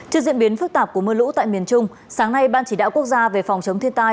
trước diễn biến phức tạp của mưa lũ tại miền trung sáng nay ban chỉ đạo quốc gia về phòng chống thiên tai